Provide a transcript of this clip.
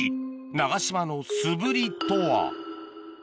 長島のすぶりとは？